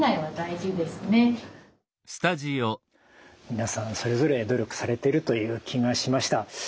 皆さんそれぞれ努力されてるという気がしました。